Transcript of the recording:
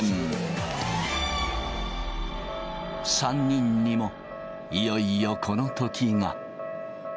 ３人にもいよいよこのときが。